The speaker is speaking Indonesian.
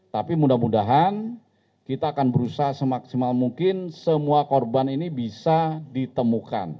tapi mudah mudahan kita akan berusaha semaksimal mungkin semua korban ini bisa ditemukan